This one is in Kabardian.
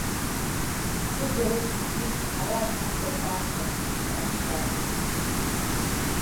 - Пцӏы боупсри, аращ щӏыпхуэфащэр, - жиӏащ бажэм.